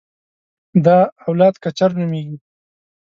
دا اولاد کچر نومېږي.